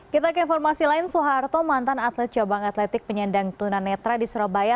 kita ke informasi lain soeharto mantan atlet cabang atletik penyandang tunanetra di surabaya